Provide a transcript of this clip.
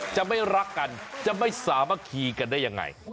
จะไม่รักกันจะไม่สามารถคีกันได้ยังไง